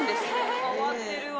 変わってるわ。